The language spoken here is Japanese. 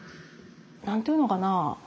何て言うのかな